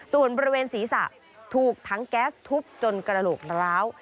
ส่วนบริเวณศีรษะถูกถังแก๊สทุบจนกระโหลกร้าว